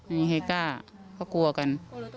ไม่มีใครกล้าเขากลัวกัน